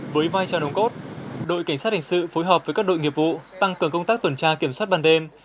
với vai trò đồng cốt đội cảnh sát hình sự phối hợp với các đội nghiệp vụ tăng cường công tác tuần tra kiểm soát ban đêm